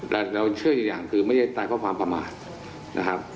แต่เราเชื่ออีกอย่างคือไม่ได้ตายเพราะความประมาทนะครับ